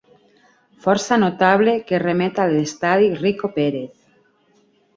Força notable que remet a l'estadi Rico Pérez.